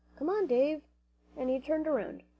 "Come on, Dave," and he turned around.